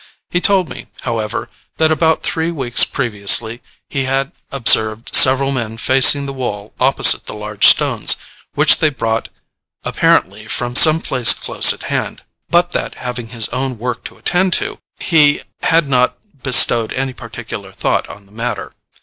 He told me, however, that about three weeks previously, he had observed several men facing the wall opposite with large stones, which they brought apparently from some place close at hand; but that, having his own work to attend to, he had not bestowed any particular thought on the matter.